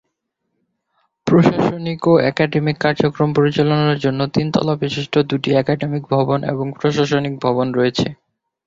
প্রশাসনিক ও একাডেমিক কার্যক্রম পরিচালনার জন্য তিন তলা বিশিষ্ট দু’টি একাডেমিক ভবন এবং প্রশাসনিক ভবন রয়েছে।